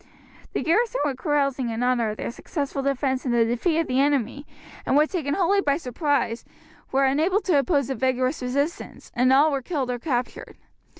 The garrison were carousing in honour of their successful defence and the defeat of the enemy, and taken wholly by surprise were unable to oppose a vigorous resistance, and all were killed or captured.